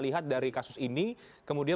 lihat dari kasus ini kemudian